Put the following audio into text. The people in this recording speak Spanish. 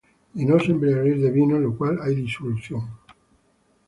Y no os embriaguéis de vino, en lo cual hay disolución;